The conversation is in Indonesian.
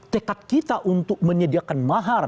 tekad kita untuk menyediakan mahar